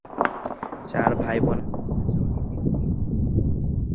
চার ভাই-বোনের মধ্য জলি তৃতীয়।